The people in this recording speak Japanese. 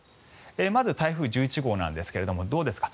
まず台風１１号なんですがどうですか。